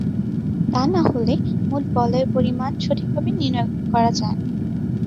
তা না হলে মোট বলের পরিমাণ সঠিকভাবে নির্ণয় করা যায়না।